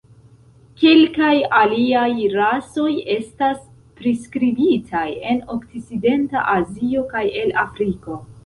Kelkaj aliaj rasoj estas priskribitaj en Okcidenta Azio kaj el Afriko.